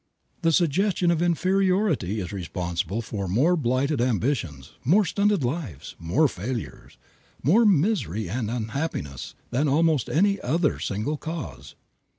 The suggestion of inferiority is responsible for more blighted ambitions, more stunted lives, more failures, more misery and unhappiness than almost any other single cause.